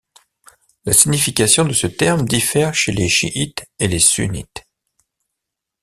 La signification de ce terme diffère chez les chiites et les sunnites.